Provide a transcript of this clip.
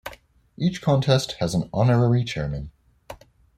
Each contest has an Honorary Chairman.